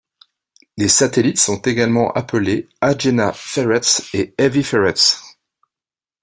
Les satellites sont également appelés Agena ferrets et heavy ferrets.